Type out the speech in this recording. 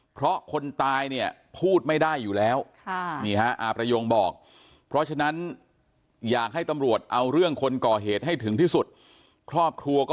เพราะคนตายเนี่ยพูดไม่ได้อยู่แล้ว